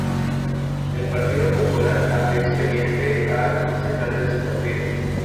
El partido popular abrió expediente al concejal de su partido.